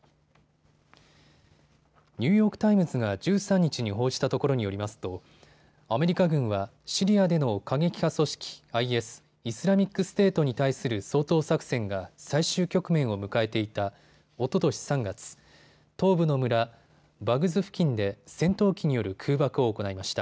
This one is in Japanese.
ニューヨーク・タイムズが１３日に報じたところによりますとアメリカ軍はシリアでの過激派組織、ＩＳ・イスラミックステートに対する掃討作戦が最終局面を迎えていたおととし３月、東部の村、バグズ付近で戦闘機による空爆を行いました。